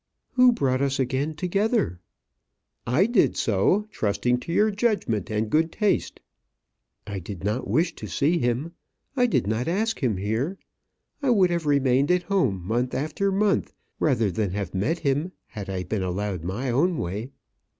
"Who brought us again together?" "I did so; trusting to your judgment and good taste." "I did not wish to see him. I did not ask him here. I would have remained at home month after month rather than have met him had I been allowed my own way."